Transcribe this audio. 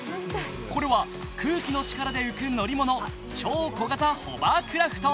これは空気の力で動く乗り物、超小型ホバークラフト。